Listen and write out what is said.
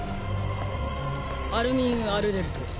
アルミン・アルレルト。